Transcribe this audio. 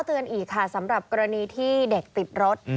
เตือนอีกค่ะสำหรับกรณีที่เด็กติดรถ